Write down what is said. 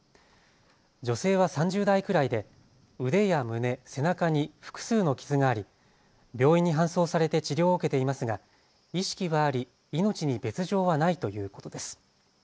女性は３０代くらいで腕や胸、背中に複数の傷があり病院に搬送されて治療を受けていますが意識はあり命に別状はないということです。